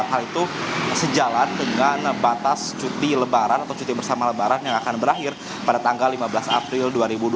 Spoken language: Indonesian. hal itu sejalan dengan batas cuti lebaran atau cuti bersama lebaran yang akan berakhir pada tanggal lima belas april dua ribu dua puluh